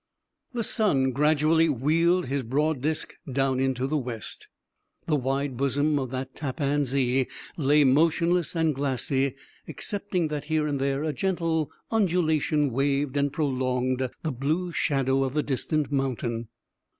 The sun gradually wheeled his broad disk down into the west. The wide bosom of the Tappaan Zee lay motionless and glassy, excepting that here and there a gentle undulation waved and prolonged the blue shadow of the distant mountain.